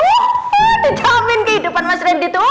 wuhuuu di jawabin ke hidupan mas lendy tuh